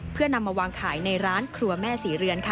เพื่อนำมาวางขายในร้านครัวแม่ศรีเรือนค่ะ